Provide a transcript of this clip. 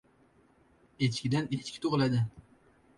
• Echkidan echki tug‘iladi.